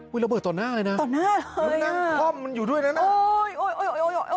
อุ๊ยระเบิดต่อหน้าเลยนะต่อหน้าเลยนะนั่งคล่อมอยู่ด้วยนะโอ๊ย